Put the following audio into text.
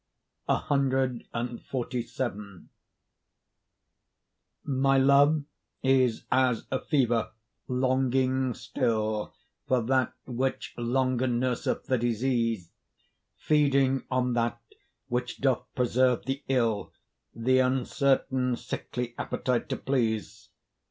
CXLVII My love is as a fever longing still, For that which longer nurseth the disease; Feeding on that which doth preserve the ill, The uncertain sickly appetite to please.